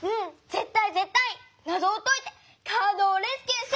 ぜったいぜったいなぞをといてカードをレスキューしてみせる！